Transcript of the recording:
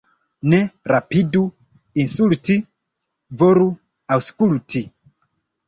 Ne rapidu insulti, volu aŭskulti.